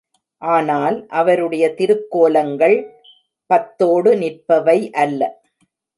ஆனால் அவருடைய திருக்கோலங்கள் பத்தோடு நிற்பவை அல்ல.